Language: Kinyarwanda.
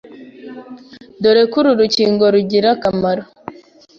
dore ko uru rukingo rugira akamaro